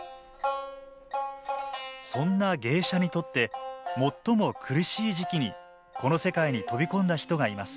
そんな芸者にとって最も苦しい時期にこの世界に飛び込んだ人がいます。